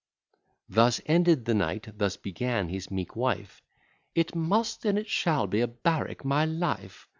Thus ended the knight; thus began his meek wife: "It must, and it shall be a barrack, my life.